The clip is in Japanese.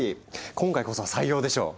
今回こそは採用でしょう？